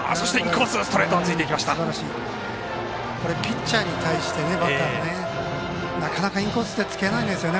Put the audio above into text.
ピッチャーに対してバッターがなかなか、インコースってつけないんですよね。